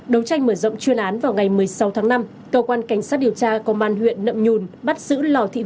đấu tranh mở rộng chuyên án vào ngày một mươi sáu tháng năm cơ quan cảnh sát điều tra công an huyện nậm nhun bắt giữ lào thị việt